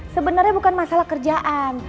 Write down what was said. sebenarnya bukan masalah kerjaan